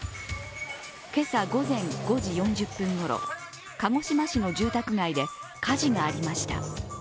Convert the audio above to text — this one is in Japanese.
今朝午前５時４０分ごろ、鹿児島市の住宅街で火事がありました。